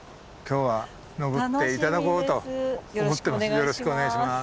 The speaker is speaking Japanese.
よろしくお願いします。